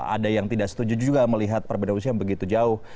ada yang tidak setuju juga melihat perbedaan usia yang begitu jauh